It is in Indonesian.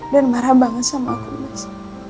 dan marah banget sama aku mas